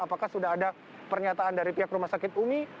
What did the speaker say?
apakah sudah ada pernyataan dari pihak rumah sakit umi